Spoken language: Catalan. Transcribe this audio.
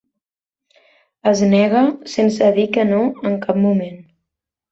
Es nega sense dir que no en cap moment.